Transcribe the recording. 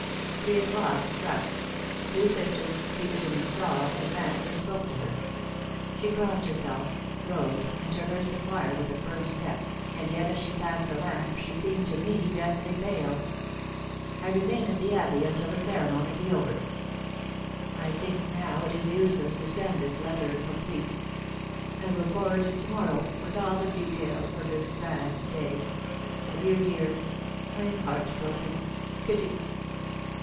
Three o'clock struck; two sisters, seated in the stalls, advanced and spoke to her; she crossed herself, rose, and traversed the choir with a firm step, and yet as she passed the lamp she seemed to me deathly pale. I remain at the abbey until the ceremony be over. I think now it is useless to send this letter incomplete. I will forward it to morrow, with all the details of this sad day. Adieu, dearest! I am heart broken pity!